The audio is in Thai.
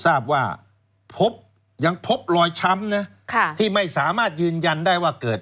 ทราบว่าพบยังพบรอยช้ำนะค่ะที่ไม่สามารถยืนยันได้ว่าเกิด